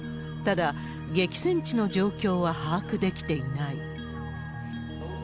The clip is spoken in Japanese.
ただ、激戦地の状況は把握できていない。